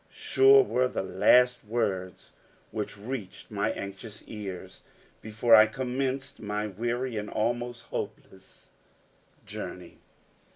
Such were the last words which reached my anxious ears before I commenced my weary and almost hopeless journey.